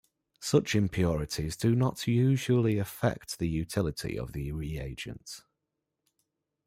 Such impurities do not usually affect the utility of the reagent.